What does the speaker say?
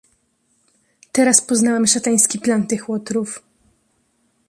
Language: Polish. "Teraz poznałem szatański plan tych łotrów."